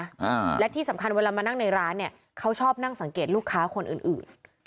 อ่าและที่สำคัญเวลามานั่งในร้านเนี้ยเขาชอบนั่งสังเกตลูกค้าคนอื่นอื่น